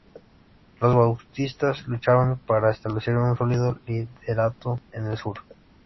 Los bautistas luchaban para establecer un sólido liderato en el sur.